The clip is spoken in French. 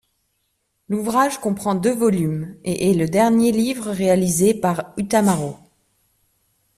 L'ouvrage comprend deux volumes, et est le dernier livre réalisé par Utamaro.